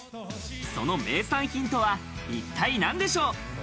その名産品とは一体なんでしょう？